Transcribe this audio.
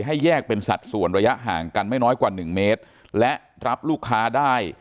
แยกเป็นสัดส่วนระยะห่างกันไม่น้อยกว่าหนึ่งเมตรและรับลูกค้าได้